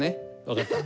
分かった。